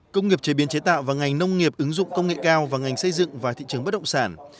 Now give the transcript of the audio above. công nghiệp chế biến chế tạo và ngành nông nghiệp ứng dụng công nghệ cao và ngành xây dựng và thị trường bất động sản